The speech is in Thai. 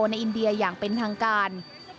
ในอินเดียอย่างเป็นทางการ